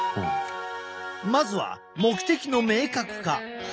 まずは目的の明確化。